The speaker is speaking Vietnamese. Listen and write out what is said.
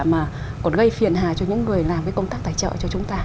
mà còn gây phiền hà cho những người làm cái công tác tài trợ cho chúng ta